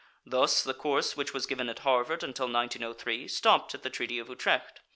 Thus the course which was given at Harvard until 1903 stopped at the Treaty of Utrecht.